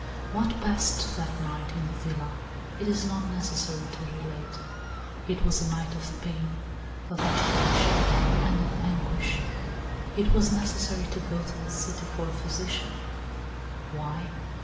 What passed that night in the villa it is not necessary to relate; it was a night of pain, of agitation, and of anguish. It was necessary to go to the city for a physician; why?